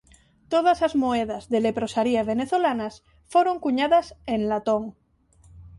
Todas as moedas de leprosaría venezolanas foron cuñadas en latón.